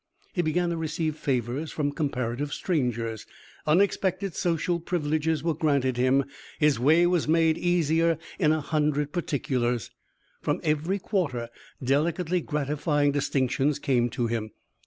He began to receive favors from comparative strangers; unexpected social privileges were granted him; his way was made easier in a hundred particulars. From every quarter delicately gratifying distinctions came to him.